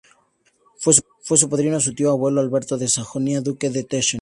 Fue su padrino su tío abuelo Alberto de Sajonia, duque de Teschen.